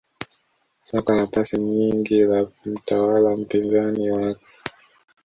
Soka la pasi nyingi la kumtawala mpinzani wake